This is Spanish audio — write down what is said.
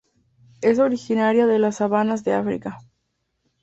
Es originaria de las sabanas de África.